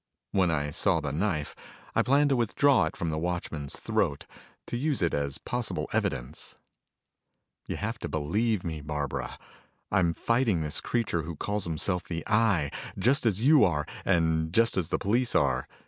When I saw the knife, I planned to withdraw it from the watchman's throat, to use it as possible evidence. "You've got to believe me, Barbara. I'm fighting this creature who calls himself the Eye just as you are and just as the police are.